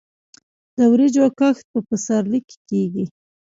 د وریجو کښت په پسرلي کې کیږي.